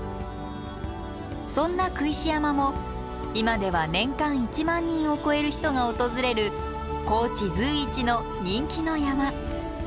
そんな工石山も今では年間１万人を超える人が訪れる高知随一の人気の山。